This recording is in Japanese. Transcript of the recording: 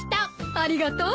ありがとう。